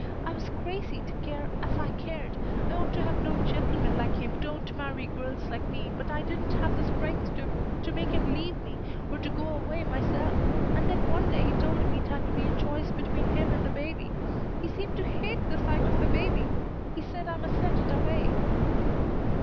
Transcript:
I was crazy to care as I cared. I ought to have known gentlemen like him don't marry girls like me, but I didn't have the strength to to make him leave me, or to go away myself. And then one day he told me it had to be a choice between him and the baby. He seemed to hate the sight of the baby. He said I must send it away."